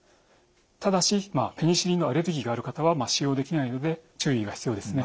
ただしペニシリンのアレルギーがある方は使用できないので注意が必要ですね。